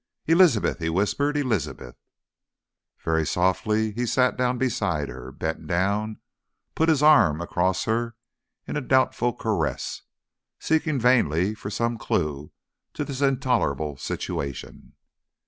"Elizabeth!" he whispered "Elizabeth!" Very softly he sat down beside her, bent down, put his arm across her in a doubtful caress, seeking vainly for some clue to this intolerable situation.